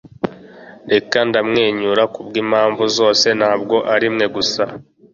reka ndamwenyure kubwimpamvu zose ntabwo arimwe gusa